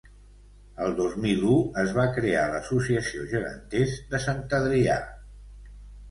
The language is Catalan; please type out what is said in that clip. El dos mil u es va crear l'associació Geganters de Sant Adrià.